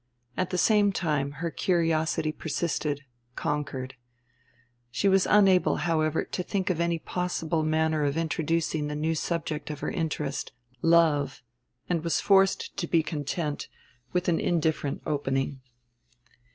At the same time her curiosity persisted, conquered. She was unable, however, to think of any possible manner of introducing the new subject of her interest, love, and was forced to be content with an indifferent opening.